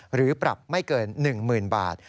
หรือปรับไม่เกิน๑๐๐๐บาท